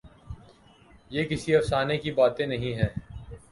یہ کسی افسانے کی باتیں نہیں ہیں۔